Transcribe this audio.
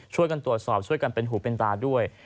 ช่วยกันตรวจสอบช่วยกันเป็นหูเป็นตาด้วย